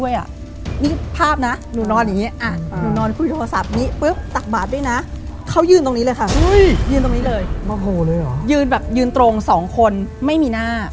ยืนตรง๒คนไม่มีหน้า